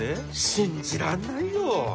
信じらんないよ！